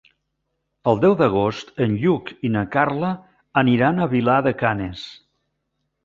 El deu d'agost en Lluc i na Carla aniran a Vilar de Canes.